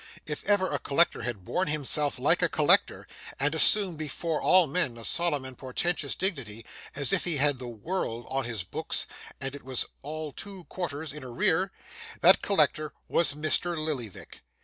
If ever a collector had borne himself like a collector, and assumed, before all men, a solemn and portentous dignity as if he had the world on his books and it was all two quarters in arrear, that collector was Mr. Lillyvick.